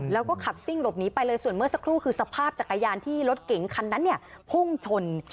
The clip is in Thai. แล้วก็ขับซิ่งหลบหนีไปเลยส่วนเมื่อสักครู่คือสภาพจักรยานที่รถเก๋งคันนั้นเนี่ยพุ่งชน